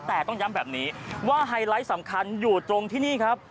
แต่ต้องย้ำแบบนี้ว่าไฮไลท์สำคัญอยู่ตรงที่นี่ครับ